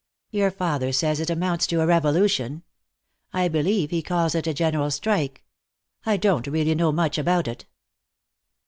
"Your father says it amounts to a revolution. I believe he calls it a general strike. I don't really know much about it."